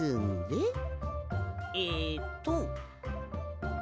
えっと。